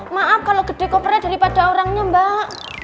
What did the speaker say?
maaf kalau gede kopernya daripada orangnya mbak